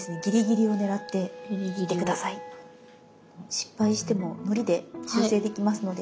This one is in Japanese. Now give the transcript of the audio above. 失敗してものりで修正できますので。